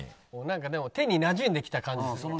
なんかでも手になじんできた感じする。